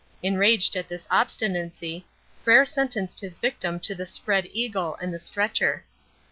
Enraged at this obstinacy, Frere sentenced his victim to the "spread eagle" and the "stretcher".